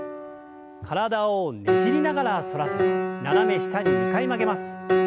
体をねじりながら反らせて斜め下に２回曲げます。